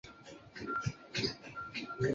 进来玩一下吧